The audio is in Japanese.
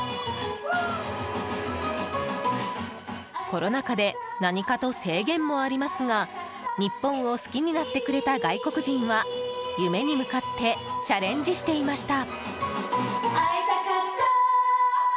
コロナ禍で何かと制限もありますが日本を好きになってくれた外国人は夢に向かってチャレンジしていました。